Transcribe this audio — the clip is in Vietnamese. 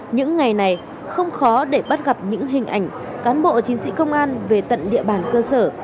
những ngày này không khó để bắt gặp những hình ảnh cán bộ chiến sĩ công an về tận địa bàn cơ sở